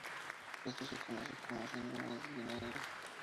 Esto se conoce como síndrome del vinagre.